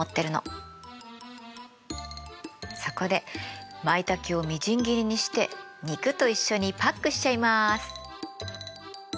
そこでマイタケをみじん切りにして肉と一緒にパックしちゃいます。